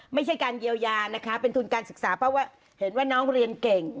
ไม่ใช่การเยียวยานะคะเป็นทุนการศึกษาเพราะว่าเห็นว่าน้องเรียนเก่ง